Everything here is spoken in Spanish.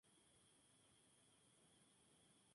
Bastante especulaciones existieron acerca de este sencillo.